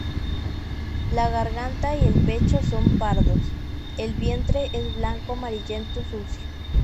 La garganta y pecho son pardos, el vientre es blanco amarillento sucio.